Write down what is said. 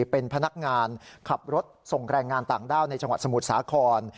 เป็นพนักงานขับรถส่งแรงงานต่างด้าวในจังหวัดสมุทรสาคร